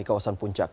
di kawasan puncak